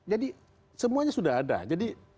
jadi semuanya sudah ada